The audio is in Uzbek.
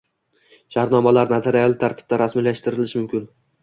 shartnomalar notarial tartibda rasmiylashtirilishi mumkin.